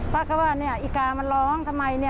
ป้าก็ว่าอีกามันร้องทำไม